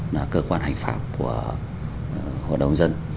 là cơ quan hành pháp của hội đồng dân